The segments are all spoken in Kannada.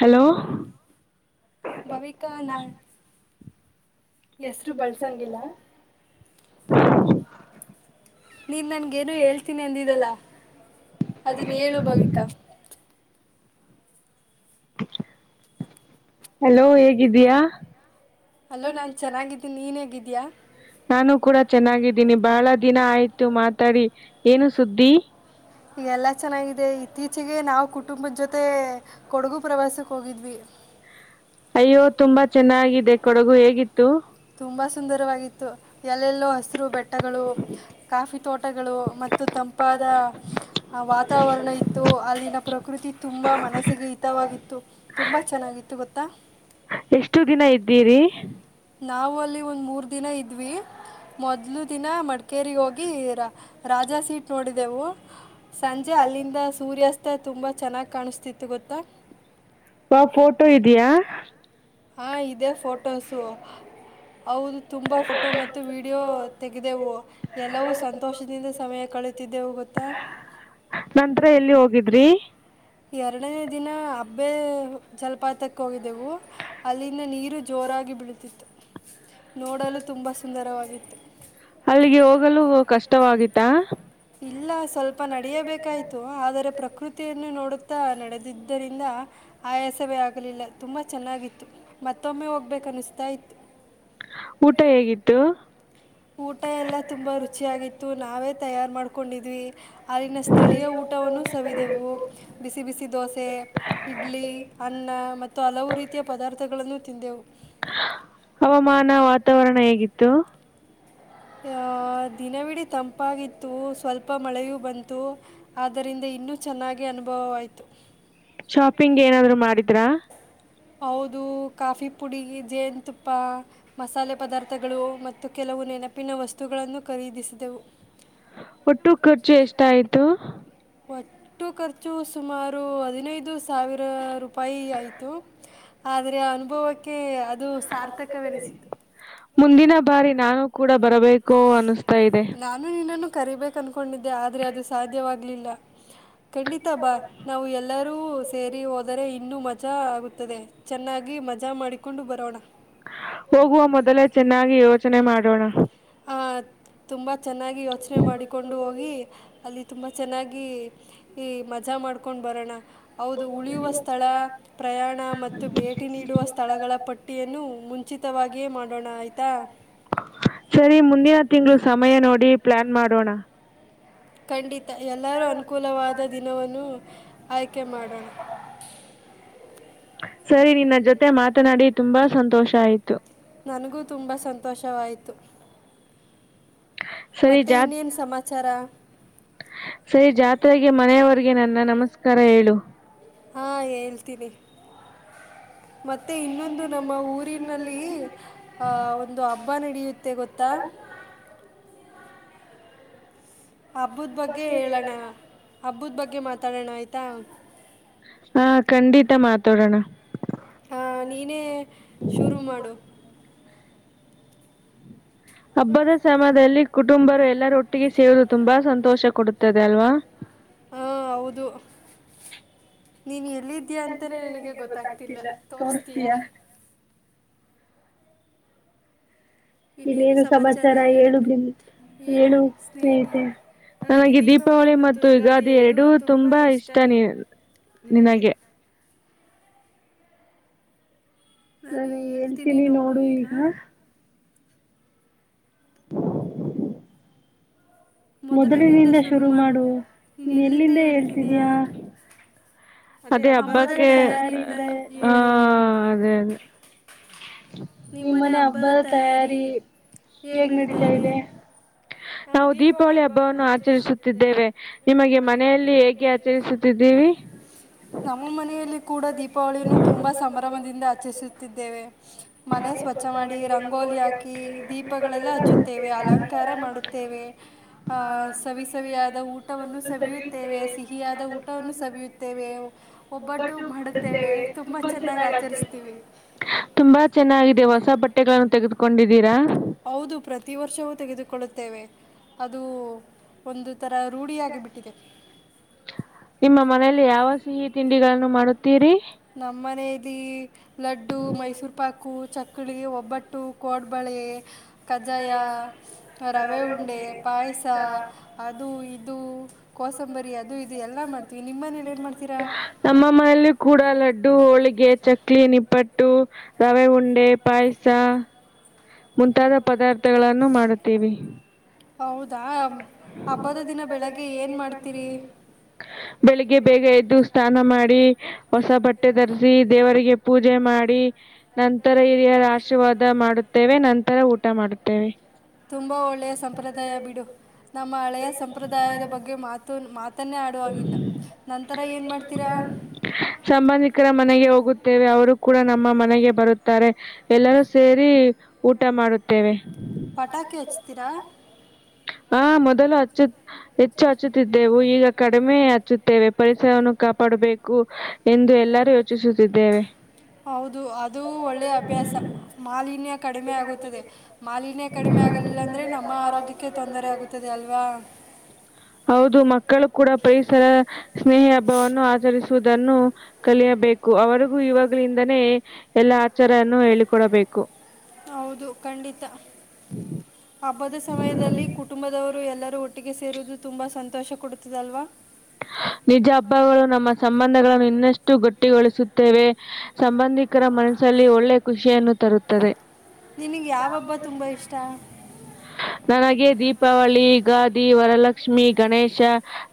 ಹಲೋ ಬವಿಕ ನ [unintelligible] ಎಷ್ಟು ಬೆಳ್ಸಂಗಿಲ್ಲ [inaudible] [unintelligible] ಎಲ್ಲಿ ಹೇಳ್ತೀನಿ ಅಂತರಲ್ಲ ಅದು ಹೇಳ ಬಂತ [unintelligible] ಹಲೋ ಹೇಗಿದ್ದೀಯಾ, ಹಲೋ ನಾನು ಚೆನ್ನಾಗಿದ್ದೀನಿ ನೀನು ಹೇಗಿದ್ದೀಯಾ. ನಾನು ಕೂಡ ಚೆನ್ನಾಗಿದ್ದೀನಿ ಬಹಳ ದಿನ ಆಯ್ತು ಮಾತಾಡಿ ಏನು ಸುದ್ದಿ ಎಲ್ಲ ಚೆನ್ನಾಗಿದೆ ಇತ್ತೀಚೆಗೆ ನಾವು ಕುಟುಂಬದ ಜೊತೆ ಕೊಡಗು ಪ್ರವಾಸಕ್ಕೆ ಹೋಗಿದ್ವಿ. ಅಯ್ಯೋ! ತುಂಬಾ ಚೆನ್ನಾಗಿದೆ ಕೊಡಗು ಹೇಗಿತ್ತು? ತುಂಬಾ ಸುಂದರವಾಗಿತ್ತು. ಎಲ್ಲೆಲ್ಲೋ ಹಸಿರು ಬೆಟ್ಟಗಳು, ಕಾಫಿ ತೋಟಗಳು ಮತ್ತು ತಂಪಾದ ಆ ವಾತಾವರಣ ಇತ್ತು ಅಲ್ಲಿನ ಪ್ರಕೃತಿ ತುಂಬಾ ಮನಸ್ಸಿಗೆ ಹಿತವಾಗಿತ್ತು. ತುಂಬ ಚೆನ್ನಾಗಿತ್ತು ಗೊತ್ತಾ ಎಷ್ಟು ದಿನ ಇದ್ದೀರಿ? ನಾವು ಅಲ್ಲಿ ಒಂದ್ ಮೂರ್ ದಿನ ಇದ್ವಿ ಮೊದ್ಲು ದಿನ ಮಡ್ಕ ಕೇರಿ ಹೋಗಿ ರ ರಾಜಾ ಸೀಟ್ ನೋಡಿದೆೆವು. ಸಂಜೆ ಅಲ್ಲಿಂದ ಸೂರ್ಯಾಸ್ತ ತುಂಬ ಚೆನ್ನಾಗಿ ಕಾಣಿಸ್ತಿತ್ತು ಗೊತ್ತಾ. ಆ ಫೋಟೋ ಇದೆಯಾ ಹಾ, ಇದೇ ಫೋಟೋಸು ಹೌದು ತುಂಬ ಫೋಟೋ ಮತ್ತು ವೀಡಿಯೋ ತೆಗೆದೆವು. ಎಲ್ಲವೂ ಸಂತೋಷದಿಂದ ಸಮಯ ಕಳಿತಿದ್ದೆವು ಗೊತ್ತಾ. ನಂತರ ಎಲ್ಲಿ ಹೋಗಿದ್ರಿ? ಎರಡನೇ ದಿನ ಹಬ್ಬೆ ಜಲಪಾತಕ್ಕೆ ಹೋಗಿದ್ದೆವು. ಅಲ್ಲಿಂದ ನೀರು- ಜೋರಾಗಿ ಬೀಳುತ್ತಿತ್ತು ನೋಡಲು ತುಂಬ ಸುಂದರವಾಗಿತ್ತು. ಅಲ್ಲಿಗೆ ಹೋಗಲು ಕಷ್ಟವಾಗಿತ್ತಾ ಇಲ್ಲ ಸ್ವಲ್ಪ ನಡಿಯಬೇಕಾಯ್ತು ಆದರೆ ಪ್ರಕೃತಿಯನ್ನು ನೋಡುತ್- ತ ನಡೆದಿದ್ದರಿಂದ ಆಯಾಸವೇ ಆಗಲಿಲ್ಲ ತುಂಬಾ ಚೆನ್ನಾಗಿತ್ತು. ಮತ್ತೊಮ್ಮೆ ಹೋಗ್ಬೇಕು ಅನಿಸ್ತಾ ಇತ್ತು. ಊಟ ಹೇಗಿತ್ತು? ಊಟ ಎಲ್ಲ ತುಂಬ ರುಚಿಯಾಗಿತ್ತು ನಾವೇ ತಯಾರು ಮಾಡ್ಕೊಂಡಿದ್ವಿ. ಅಲ್ಲಿನ ಸ್ಥಳೀಯ ಊಟವನ್ನು ಸವಿದೆವು ಬಿಸಿ ಬಿಸಿ ದೋಸೆ. ಇಡ್ಲಿ ಅನ್ನ ಮತ್ತು ಹಲವು ರೀತಿಯ ಪದಾರ್ಥಗಳನ್ನು ತಿಂದೆವು. ಹವಾಮಾನ ವಾತಾವರಣ ಹೇಗಿತ್ತು? ಆ, ದಿನವಿಡೀ ತಂಪಾಗಿತ್ತು ಸ್ವಲ್ಪ ಮಳೆಯೂ ಬಂತು. ಆದರಿಂದ ಇನ್ನೂ ಚೆನ್ನಾಗಿ ಅನುಭವ ವಾಯ್ತು. ಶಾಪಿಂಗ್ ಏನಾದ್ರು ಮಾಡಿದ್ರಾ ಹೌದು, ಕಾಫಿ ಪುಡಿ, ಜೇನತುಪ್ಪ ಮಸಾಲೆ ಪದಾರ್ಥಗಳು ಮತ್ತು ಕೆಲವು ನೆನಪಿನ ವಸ್ತುಗಳನ್ನು ಖರೀದಿಸಿದೆವು. ಒಟ್ಟು ಖರ್ಚು ಎಷ್ಟ ಆಯ್ತು? ಒಟ್ಟು ಖರ್ಚು ಸುಮಾರು ಹದಿನೈದು ಸಾವಿರ ರೂಪಾಯಿ ಆಯಿತು. ಆದರೆ ಅನುಭವಕ್ಕೆ ಅದು ಸಾರ್ಥಕ ವೆನಿಸಿತು. ಮುಂದಿನ ಬಾರಿ ನಾನು ಕೂಡ ಬರಬೇಕು ಅನಿಸ್ತಾ ಇದೆ. ನಾನು ನಿನ್ನನ್ನು ಕರಿಬೇಕು ಅನ್ಕೊಂಡಿದ್ದೆ ಆದರೆ ಅದು ಸಾಧ್ಯವಾಗಲಿಲ್ಲ ಖಂಡಿತ ಬಾ. ನಾವು ಎಲ್ಲರೂ ಸೇರಿ ಹೋದರೆ ಇನ್ನು ಮಜಾ ಆಗುತ್ತದೆ. ಚೆನ್ನಾಗಿ ಮಜಾ ಮಾಡಿಕೊಂಡು ಬರೋಣ. ಹೋಗುವ ಮೊದಲೇ ಚೆನ್ನಾಗಿ ಯೋಚನೆ ಮಾಡೋಣ. ಆಹಾ ತುಂಬ ಚೆನ್ನಾಗಿ ಯೋಚನೆ ಮಾಡಿಕೊಂಡು ಹೋಗಿ ಅಲ್ಲಿ ತುಂಬ ಚೆನ್ನಾಗಿ ಈ ಮಜಾ ಮಾಡ್ಕೊಂಡು ಬರೋಣ ಹೌದು ಉಳಿಯುವ ಸ್ಥಳ ಪ್ರಯಾಣ ಮತ್ತು ಭೇಟಿ ನೀಡುವ ಸ್ಥಳಗಳ ಪಟ್ಟಿಯನ್ನು ಮುಂಚಿತವಾಗಿಯೇ ಮಾಡೋಣ ಆಯ್ತಾ. ಸರಿ ಮುಂದಿನ ತಿಂಗಳು ಸಮಯ ನೋಡಿ ಪ್ಲಾನ್ ಮಾಡೋಣ. ಖಂಡಿತ ಎಲ್ಲರೂ ಅನುಕೂಲವಾದ ದಿನವನ್ನು ಆಯ್ಕೆ ಮಾಡೋಣ. ಸರಿ ನಿನ್ನ ಜೊತೆ ಮಾತನಾಡಿ ತುಂಬಾ ಸಂತೋಷ ಆಯ್ತು. ನನಗೂ ತುಂಬಾ ಸಂತೋಷವಾಯಿತು. ಮತ್ತೆ ಇನ್ನೇನ್ ಸಮಾಚಾರ. ಸರಿ ಜಾತ್ರೆಗೆ ಮನೆಯವರ್ಗೆ ನನ್ನ ನಮಸ್ಕಾರ ಹೇಳು. ಹಾ ಹೇಳ್ತೀನಿ. ಮತ್ತೆ ಇನ್ನೊಂದು ನಮ್ಮ ಊರಿನಲ್ಲಿ ಆಹ ಒಂದು ಹಬ್ಬ ನಡೆಯುತ್ತೆ ಗೊತ್ತ್ ತ್ತ ಹಬ್ಬದ ಬಗ್ಗೆ ಹೇಳೋಣ ಹಬ್ಬದ ಬಗ್ಗೆ ಮಾತಾಡೋಣ ಆಯ್ತಾ. ಹಾ ಖಂಡಿತ ಮಾತಾಡೋಣ. ಹಾ ನೀನೇ ಶುರು ಮಾಡು. ಹಬ್ಬದ ಸಮಯದಲ್ಲಿ ಕುಟುಂಬರು ಎಲ್ಲರೊಟ್ಟಿಗೆ ಸೇರಿ ತುಂಬಾ ಸಂತೋಷ ಕೊಡುತ್ತದೆ ಅಲ್ವಾ. ಹಾ ಹೌದು ನೀನು ಎಲ್ಲಿದ್ ದೀಯಾ ಅಂತನೇ ನನಗೆ ಗೊತ್ತಾಗ್ತಿಲ್ಲ ತೋರಿಸ್ತೀಯಾ. ಇನ್ನೇನು ಸಮಾಚಾರ ಹೇಳು ಗೆ ಹೇಳು ಸ್ನೇಹಿತೆ. ನನಗೆ ದೀಪಾವಳಿ ಮತ್ತು ಯುಗಾದಿ ಎರಡೂ ತುಂಬಾ ಇಷ್ಟ ನೀ ನಿನಗೆ ನಾನು ಹೇಳ್ತೀನಿ ನೋಡು ಈಗ. ಮೊದಲಿನಿಂದ ಶುರು ಮಾಡು ನೀನ್ ಎಲ್ಲಿಂದ ಹೇಳ್ತಿದೀಯಾ. ಅದೇ ಹಬ್ಬಕ್ಕೆ ಹಬ್ಬದ ತಯಾರಿ ಇಂದ ಹಾ ಅದೇ ಅದೇ. ನಿಮ್ಮನೆ ಹಬ್ಬದ ತಯಾರಿ ಹೇಗ್ ನಡೀತಾ ಇದೆ. ನಾವು ದೀಪ್ ಪಾವಳಿ ಹಬ್ಬವನ್ನು ಆಚರಿಸುತ್ತಿದ್ದೇವೆ ನಿಮಗೆ ಮನೆಯಲ್ಲಿ ಹೇಗೆ ಆಚರಿಸುತ್ತಿದ್ದೀವಿ. ನಮ್ಮ ಮನೆಯಲ್ಲಿ ಕೂಡ ದೀಪಾವಳಿಯನ್ನು ತುಂಬಾ ಸಂಭ್ರಮದಿಂದ ಆಚರಿಸುತ್ತಿದ್ದೇವೆ. ಮನೆ ಸ್ವಚ್ಛ ಮಾಡಿ ರಂಗೋಲಿ ಹಾಕಿ ದೀಪಗಳೆಲ್ಲ ಹಚ್ಚುತ್ತೇವೆ ಅಲಂಕಾರ ಮಾಡುತ್ತ್ ತ್ತೆವೆ ಆಹ್ ಸವಿ ಸವಿಯಾದ ಊಟವನ್ನು ಸವಿಯುತ್ತೇವೆ. ಸಿಹಿಯಾದ ಊಟವನ್ನು ಸವಿಯುತ್ತೇವೆ. ಒಬ್ಬಟ್ಟು ಮಾಡುತ್ತೇವೆ ತುಂಬಾ ಚೆನ್ನಾಗಿ ಆಚರಿಸ್ತೀವಿ. ತುಂಬಾ ಚೆನ್ನಾಗಿದೆ ಹೊಸ ಬಟ್ಟೆಗಳನ್ನು ತೆಗೆದುಕೊಂಡಿದ್ದೀರಾ. ಹೌದು ಪ್ರತಿ ವರ್ಷವೂ ತೆಗೆದುಕೊಳ್ಳುತ್ತೇವೆ ಅದು ಒಂದ್ ತರ ರೂಢಿಯಾಗಿ ಬಿಟ್ಟಿದೆ. ನಿಮ್ಮ ಮನೆಲ್ಲಿ ಯಾವ ಸಿಹಿ ತಿಂಡಿಗಳನ್ನು ಮಾಡುತ್ತೀರಿ. ನಮ್ಮನೆದಿ ಲಡ್ಡು ಮೈಸೂರು ಪಾಕು ಚಕ್ಕ್ ಮಕ್ಕಳಿಗೆ ಒಬ್ಬಟ್ಟು, ಕೋಡ್ಬಳೆ, ಕೊಡಬಾಲೆ, ಕ್ದಳ [unintelligible] ರವೆ ಉಂಡೆ ಪಾಯಸ ಅದು ಇದು ಕೋಸಂಬರಿ ಅದು ಇದು ಎಲ್ಲ ಮಾಡ್ ನಿಮ್ಮ ಮನೇಲಿ ಏನ್ ಮಾಡ್ತೀರಾ ನಮ್ಮ ಮನೆಯಲ್ಲಿ ಕೂಡ ಲಡ್ಡು, ಹೋಳಿಗೆ, ಚಕ್ಲಿ, ನಿಪ್ಪಟ್ಟು ರವೆ ಉಂಡೆ ಪಾಯಸ ಮುಂತಾದ ಪದಾರ್ಥಗಳನ್ನು ಮಾಡುತ್ತೆವೆ. ಹೌದಾ ಹಬ್ಬದ ದಿನ ಬೆಳಿಗ್ಗೆ ಏನ್ ಮಾಡ್ತೀರಿ. ಬೆಳಿಗ್ಗೆ ಬೇಗ ಎದ್ದು ಸ್ನಾನ ಮಾಡಿ. ಹೊಸ ಬಟ್ಟೆ ಧರಿಸಿ ದೇವರಿಗೆ ಪೂಜೆ ಮಾಡಿ. ನಂತರ ಹಿರಿಯರ ಆಶೀರ್ವಾದ ಮಾಡುತ್ತೇವೆ ನಂತರ ಊಟ ಮಾಡುತ್ತೇವೆ. ತುಂಬಾ ಒಳ್ಳೆಯ ಸಂಪ್ರದಾಯ ಬಿಡು ನಮ್ಮ ಹಳೆಯ ಸಂಪ್ರದಾಯದ ಬಗ್ಗೆ ಮಾತುನ್ ಮಾತ. ತನ್ನೇ ಆಡುವಾಗಿಲ್ಲ ನಂತರ ಏನು ಮಾಡ್ತೀರಾ. ಸಂಬಂಧಿಕರ ಮನೆಗೆ ಹೋಗುತ್ತೇವೆ ಅವರು ಕೂಡ ನಮ್ಮ ಮನೆಗೆ ಬರುತ್ತಾರೆ. ಎಲ್ಲರೂ ಸೇರಿ ಊಟ ಮಾಡುತ್ತೇವೆ. ಪಟಾಕಿ ಹಚ್ತೀರಾ. ಹ ಮೊದಲು ಹಚ್ಚತ ಹೆಚ್ಚು ಹಚ್ಚುತ್ತಿದ್ದೆವು ಈಗ ಕಡಿಮೆ ಹಚ್ಚುತ್ತೇವೆ ಪರಿಸರವನ್ನು ಕಾಪಾಡಬೇಕು. ಕು ಎಂದು ಎಲ್ಲರೂ ಯೋಚಿಸುತ್ತಿದ್ದೇವೆ. ಹೌದು ಅದು ಒಳ್ಳೆ ಅಭ್ಯಾಸ ಮಾಲಿನ್ಯ. ಕಡಿಮೆ ಆಗುತ್ತದೆ ಮಾಲಿನ್ಯ ಕಡಿಮೆ ಆಗಲಿಲ್ಲಾಂದರೆ ನಮ್ಮ ಆರೋಗ್ಯಕ್ಕೆ ತೊಂದರೆ ಆಗುತ್ತದೆ ಅಲ್ವಾ. ಹೌದು ಮಕ್ಕಳು ಕೂಡ ಪರಿಸರ ಸ್ನೇಹಿ ಹಬ್ಬವನ್ನು ಆಚರಿಸುವುದನ್ನು. ಕಲಿಯಬೇಕು ಅವರಿಗೂ ಇವಾಗ್ಲಿಂದನೇ ಎಲ್ಲಾ ಆಚಾರನ್ನು ಹೇಳಿಕೊಡಬೇಕು. ಹೌದು ಖಂಡಿತ. ಹಬ್ಬದ ಸಮಯದಲ್ಲಿ ಕುಟುಂಬದವರು ಎಲ್ಲರೂ ಒಟ್ಟಿಗೆ ಸೇರುವುದು ತುಂಬ ಸಂತೋಷ ಕೊಡುತ್ತದಲ್ವಾ. ನಿಜ ಹಬ್ಬಗಳನ್ನು ನಮ್ಮ ಸಂಬಂಧಗಳನ್ನು ಇನ್ನಷ್ಟು ಗಟ್ಟಿಗೊಳಿಸುತ್ತೇವೆ. ಸಂಬಂಧಿಕರ ಮನಸ್ಸಲ್ಲಿ ಒಳ್ಳೆ ಖುಷಿಯನ್ನು ತರುತ್ತದೆ. ನಿನಗೆ ಯಾವ ಹಬ್ಬ ತುಂಬ ಇಷ್ಟ. ನನಗೆ ದೀಪಾವಳಿ ಯುಗಾದಿ ವರಲಕ್ಷ್ಮಿ ಗಣೇಶ.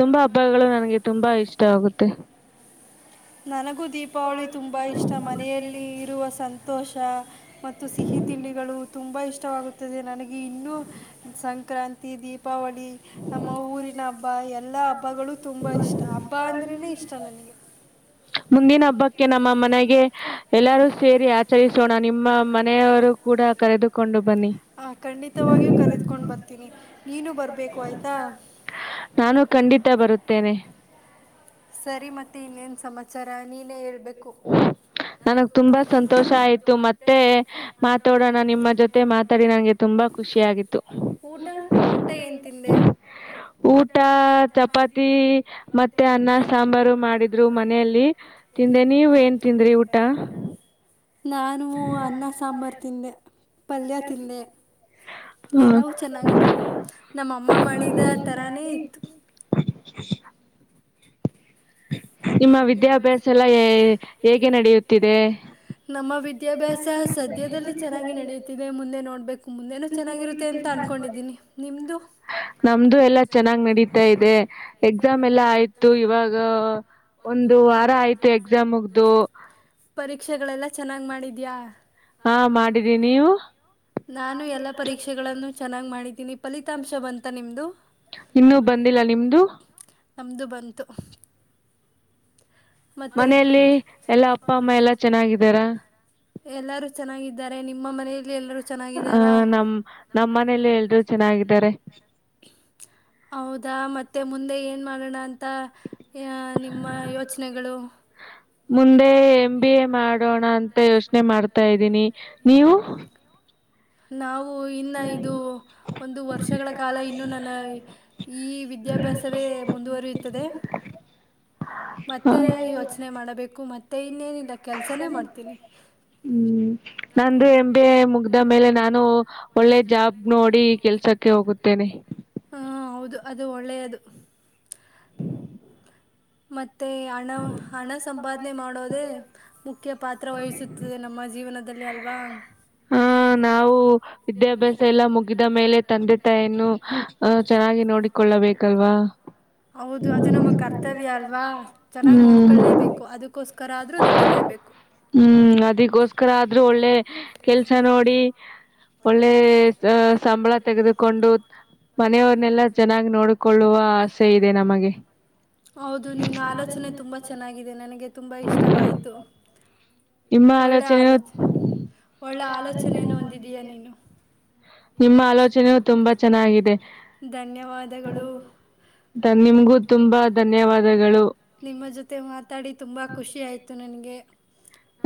ತುಂಬಾ ಹಬ್ಬಗಳು ನನ್ಗೆ ತುಂಬಾ ಇಷ್ಟ ಆಗುತ್ತೆ. ನನಗೂ ದೀಪಾವಳಿ ತುಂಬ ಇಷ್ಟ ಮನೆಯಲ್ಲಿ ಇರುವ ಸಂತೋಷ. ಮತ್ತು ಸಿಹಿ ತಿಂಡಿಗಳು ತುಂಬ ಇಷ್ಟವಾಗುತ್ತದೆ ನನಗೆ ಇನ್ನೂ ಸಂ ಸಂಕ್ರಾಂತಿ ದೀಪಾವಳಿ. ನಮ್ಮ ಊರಿನ ಹಬ್ಬ ಎಲ್ಲ ಹಬ್ಬಗಳು ತುಂಬ ಇಷ್ಟ ಹಬ್ಬ ಅಂದ್ರ ಇಷ್ಟ ನನಗೆ. ಮುಂದಿನ ಹಬ್ಬಕ್ಕೆ ನಮ್ಮ ಮನೆಗೆ ಎಲ್ಲಾರೂ ಸೇರಿ ಆ ಚರಿಸೋಣ ನಿಮ್ಮ ಮನೆಯವರು ಕೂಡ ಕರೆದುಕೊಂಡು ಬನ್ನಿ. ಹಾ ಖಂಡಿತವಾಗಿಯೂ ಕರೆದುಕೊಂಡು ಬರ್ತೀನಿ ನೀನು ಬರಬೇಕು ಆಯಿತಾ. ನಾನು ಖಂಡಿತ ಬರುತ್ತೇನೆ. ಸರಿ ಮತ್ತೆ ಇನ್ನೇನ್ ಸಮಾಚಾರ ನೀನೇ ಹೇಳ್ಬೇಕು. ನನಗ್ ತುಂಬಾ ಸಂತೋಷ ಆಯ್ತು ಮತ್ತೆ. ಮಾತಾಡೋಣ ನಿಮ್ಮ ಜೊತೆ ಮಾತಾಡಿ ನನ್ಗೆ ತುಂಬಾ ಖುಷಿ ಆಗಿತ್ತು. ಊಟ ಏನು ತಿಂದೆ. ಹ್ಮ [unintelligible] ಊಟ ಚಪಾತಿ ಮತ್ತೆ ಅನ್ನ ಸಾಂಬಾರು ಮಾಡಿದ್ರು ಮನೆಯಲ್ಲಿ ತಿಂದೆ. ನೀವ ಏನ್ ತಿಂದ್ರಿ ಊಟ. ಅನ್ನ ಸಾಂಬಾರ ತಿಂದೆ ಪಲ್ಯ ತಿಂದೆ. ಎಲ್ಲವೂ ಚೆನ್ನಾಗಿತ್ತು ನಮ್ಮಅಮ್ಮ ಮಾಡಿದ ತರಾನೇ ಇತ್ತು. ನಿಮ್ಮ ವಿದ್ಯಾಭ್ಯಾಸ ಎಲ್ಲ ಹೇಗೆ ನಡೆಯುತ್ತಿದೆ. ನಮ್ಮ ವಿದ್ಯಾಭ್ಯಾಸ ಸದ್ಯದಲ್ಲಿ ಚೆನ್ನಾಗಿ ನಡೆಯುತ್ತಿದೆ ಮುಂದೆ ನೋಡ್ಬೇಕು ಮುಂದೆನೆ ಚೆನ್ನಾಗಿ ಇರುತ್ತೆ ಅಂತ ಅನ್ಕೊಂಡ್ ಇದೀನಿ ನಿಮ್ದು ಎಲ್ಲಾ ಚೆನ್ನಾ ಚೆನ್ನಾಗ್ ನಡೀತಾ ಇದೆ ಎಕ್ಸಾಮ್ ಎಲ್ಲಾ ಆಯ್ತು ಇವಾಗ ಗ ಒಂದು ವಾರ ಆಯ್ತು ಎಕ್ಸಾಮ್ ಮುಗ್ದು. ಪರೀಕ್ಷೆಗಳೆಲ್ಲ ಚೆನ್ನಾಗ್ ಮಾಡಿದ್ಯಾ. ಹಾ ಮಾಡಿದಿನೀ ನೀವು. ನಾನು ಎಲ್ಲಾ ಪರೀಕ್ಷೆಗಳನ್ನು ಚೆನ್ನಾಗ್ ಮಾಡಿದ್ದೀನಿ ಫಲಿತಾಂಶ ಬಂತ ನಿಮ್ಮದು. ನಮ್ದು ಬಂದಿಲ್ಲ ನಿಮ್ದು ನಮ್ದು ಬಂತು. ಮನೆಯಲ್ಲಿ ಎಲ್ಲಾ ಅಪ್ಪ ಅಮ್ಮ ಎಲ್ಲಾ ಚೆನ್ನಾಗಿದ್ದಾರ. ಎಲ್ಲರೂ ಚೆನ್ನಾಗಿದ್ದಾರೆ ನಿಮ್ಮ ಮನೆಯಲ್ಲಿ ಎಲ್ಲರು ಹಾ ನಮ್ ನಮ್ಮ ಮನೇಲೂ ಎಲ್ಲಾರು ಚೆನ್ನಾಗಿದ್ದಾರೆ. ಹೌದಾ ಮತ್ತೆ ಮುಂದೆ ಏನ್ ಮಾಡೋಣ ಅಂತ ನಿಮ್ಮ ಯೋಚನೆಗಳು. ಮುಂದೆ ಎಮ್ ಬಿ ಎ ಮಾಡೋಣ ಅಂ ತ ಯೋಚನೆ ಮಾಡ್ತಾ ಇದ್ದೀನಿ ನೀವು. ನಾವು ಇನ್ನ ಇದು ಒಂದು ವರ್ಷಗಳ ಕಾಲ ಇನ್ನು ನನ್ನ ಈ ವಿದ್ಯಾಭ್ಯಾಸವೇ ಮುಂದುವರಿಯುತ್ತದೆ. ಮತ್ತೇ ಯೋಚನೆ ಮಾಡಬೇಕು ಮತ್ತೆ ಇನ್ನೇನಿಲ್ಲ. ಧನಿಯಾ ಮಾಡು ಧನಿಯಾ ಹ್ಮ್ ನಂದು ಎಂ ಬಿ ಏ ಮುಗ್ ದ ಮೇಲೆ ನಾನು ಒಳ್ಳೆ ಜಾಬ್ ನೋಡಿ ಕೆಲ್ಸಕ್ಕೆ ಹೋಗುತ್ತೇನೆ. ಕಾ ಹೌದು ಅದು ಒಳ್ಳೆಯದು. ಮತ್ತೆ ಹಣ ಹಣ ಸಂಪಾದನೆ ಮಾಡೋದೆೇ ಮುಖ್ಯ ಪಾತ್ರ ವಹಿಸುತ್ತದೆ ನಮ್ಮ ಜೀವನದಲ್ಲಿ ಅಲ್ವಾ. ಹಾ ನಾವು ವಿದ್ಯಾಭ್ಯಾಸ ಎಲ್ಲಾ ಮುಗಿದ ಮೇಲೆ ತಂದೆ ತಾಯಿಯನ್ನು ಚೆನ್ನಾಗಿ ನೋಡಿಕೊಳ್ಳಬೇಕಲ್ವಾ. ಹೌದು ಅದು ನಮ್ಮ ಕರ್ತವ್ಯ ಅಲ್ವಾ ಚೆನ್ನಾಗ್ ನೋಡ್ಕಲ್ಲೇ ಬೇಕು ಅದಕ್ಕೋಸ್ ಹ್ಮ್ ಅದಿಗೋಸ್ಕರ ಆದ್ರೂ ಒಳ್ಳೆ ಕೆಲಸ ನೋಡಿ ಒಳ್ಳೆ ಸಂಬಾಳ ತೆಗೆದುಕೊಂಡು ಮನೆಯವ್ರನ್ನೆಲ್ಲ ಚೆನ್ನಾಗ್ ನೋಡುಕೊಳ್ಳುವ ಆಸೆ ಇದೆ ನಮಗೆ. ಹೌದು ನಿನ್ನ ಆಲೋಚನೆ ತುಂಬಾ ಚೆನ್ನಾಗಿದೆ ನನಗೆ ತುಂಬಾ ಇಷ್ಟವಾಯಿತು. ಒಳ್ಳೆ ಆಲೋಚ ಒಳ್ಳೆ ಆಲೋಚನೆಯನ್ನು ಹೊಂದಿದೀಯ ನೀನು. ನಿಮ್ಮ ಆಲೋಚನೆ ತುಂಬಾ ಚೆನ್ನಾಗಿದೆ. ಧನ್ಯವಾದಗಳು. ದನ್ ನಿಮ್ಗೂ ತುಂಬಾ ಧನ್ಯವಾದಗಳು. ನಿಮ್ಮ ಜೊತೆ ಮಾತಾಡಿ ತುಂಬಾ ಖುಷಿ ಆಯಿತು ನನಗೆ.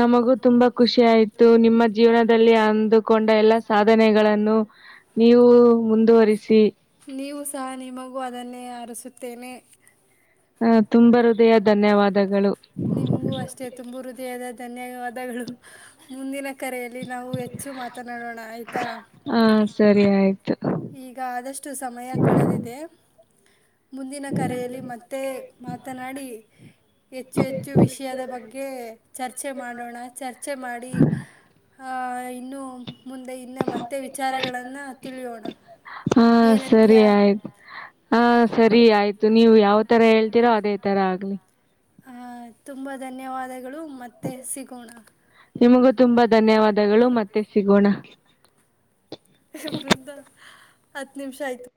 ನಮಗೂ ತುಂಬಾ ಖುಷಿ ಆಯ್ತು ನಿಮ್ಮ ಜೀವನದಲ್ಲಿ ಅಂದುಕೊಂಡ ಎಲ್ಲಾ ಸಾಧನೆಗಳನ್ನು- ನೀವು ಮುಂದುವರಿಸಿ. ನೀವು ಸಹ ನಿಮಗೂ ಅದನ್ನೇ ಹರಸುತ್ತೇನೆ. ಹ ತುಂಬಾ ಹೃದಯ ಧನ್ಯವಾದಗಳು. ನಿಮಗೂ ಅಷ್ಟೇ ತುಂಬು ಹೃದಯದ ಧನ್ಯವಾದಗಳು ಮುಂದಿನ ಕರೆಯಲ್ಲಿ ನಾವು ಹೆಚ್ಚು ಮಾತನಾಡೋಣ ಆಯ್ತಾ. ಹಾ ಸರಿ ಆಯ್ತು. ಈಗ ಆದಷ್ಟು ಸಮಯ ಕಳೆದಿದೆ. ಮುಂದಿನ ಕರೆಯಲ್ಲಿ ಮತ್ತೆ ಮಾತನಾಡಿ ಹೆಚ್ಚು ಹೆಚ್ಚು ವಿಷಯದ ಬಗ್ಗೆ ಚರ್ಚೆ ಮಾಡೋಣ ಚರ್ಚೆ ಮಾಡಿ ಆ ಇನ್ನೂ ಮುಂದೆ ಇನ್ನ ಮತ್ತೆ ವಿಚಾರಗಳನ್ನು ತಿಳಿಯೋಣ. ಏನಂತೀಯ. ಸರಿ ಆಯ್ತು ನೀವು ಯಾವ ತರ ಹೇಳ್ತಿರೋ ಅದೇ ತರ ಆಗ್ಲಿ. ಹ ತುಂಬಾ ಧನ್ಯವಾದಗಳು ಮತ್ತೆ ಸಿಗೋಣ. ನಿಮಗೂ ತುಂಬಾ ಧನ್ಯವಾದಗಳು ಮತ್ತೆ ಸಿಗೋಣ. ಬೃಂದ ಹತ್ತು ನಿಮಿಷ ಆಯ್ತು.